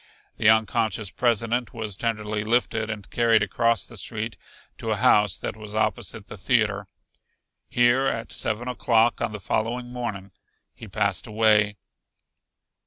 The unconscious President was tenderly lifted and carried across the street to a house that was opposite the theater. Here at seven o'clock on the following morning he passed away.